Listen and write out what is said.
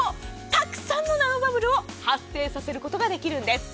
たくさんのナノバブルを発生させることができるんです。